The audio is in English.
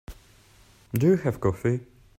Do you have coffee?